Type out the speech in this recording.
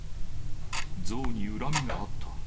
像に恨みがあった。